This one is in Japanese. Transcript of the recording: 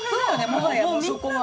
もはやもうそこは。